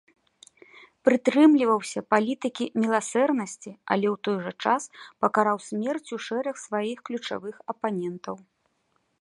Прытрымліваўся палітыкі міласэрнасці, але ў той жа час пакараў смерцю шэраг сваіх ключавых апанентаў.